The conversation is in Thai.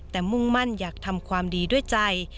แต่มุ่งมั่นอยากทำความดีด้วยใจ